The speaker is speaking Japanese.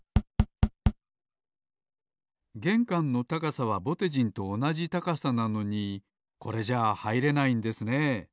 げんかんの高さはぼてじんとおなじ高さなのにこれじゃあはいれないんですね。